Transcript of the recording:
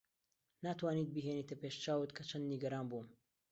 ناتوانیت بیهێنیتە پێش چاوت کە چەند نیگەران بووم.